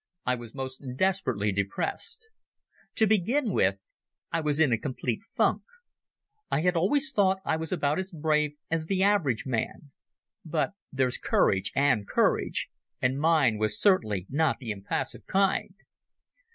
I was most desperately depressed. To begin with, I was in a complete funk. I had always thought I was about as brave as the average man, but there's courage and courage, and mine was certainly not the impassive kind.